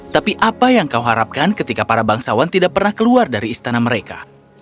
tapi apa yang kau harapkan ketika para bangsawan tidak pernah keluar dari istana mereka